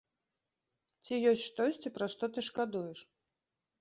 Ці ёсць штосьці, пра што ты шкадуеш?